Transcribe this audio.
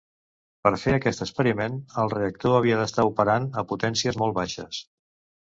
Per fer aquest experiment, el reactor havia d’estar operant a potències molt baixes.